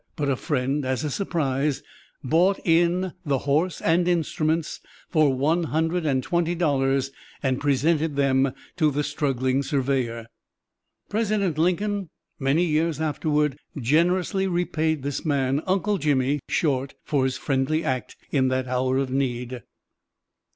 But a friend, as a surprise, bought in the horse and instruments for one hundred and twenty dollars and presented them to the struggling surveyor. President Lincoln, many years afterward, generously repaid this man, "Uncle Jimmy" Short, for his friendly act in that hour of need.